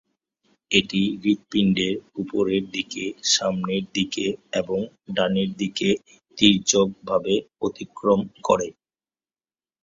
এটি হৃৎপিণ্ডের উপরের দিকে, সামনের দিকে এবং ডান দিকে তীর্যক ভাবে অতিক্রম করে।